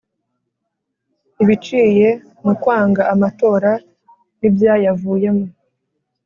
i biciye mu kwanga amatora n’ibyayavuyemo.